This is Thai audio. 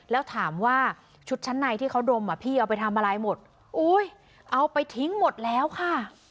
แล้วถามว่าชุดชั้นในที่เขาดมอ่ะพี่เอาไปทำอะไรหมดโอ้ยเอาไปทิ้งหมดแล้วค่ะ